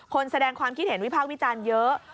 แสดงความคิดเห็นวิพากษ์วิจารณ์เยอะ